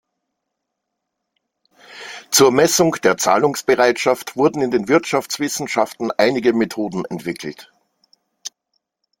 Zur Messung der Zahlungsbereitschaft wurden in den Wirtschaftswissenschaften einige Methoden entwickelt.